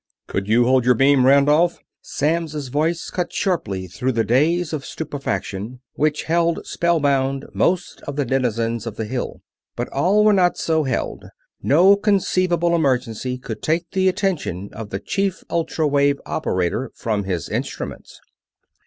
"Could you hold your beam, Randolph?" Samms' voice cut sharply through the daze of stupefaction which held spellbound most of the denizens of the Hill. But all were not so held no conceivable emergency could take the attention of the chief ultra wave operator from his instruments.